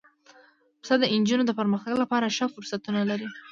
پسه د نجونو د پرمختګ لپاره ښه فرصتونه لري.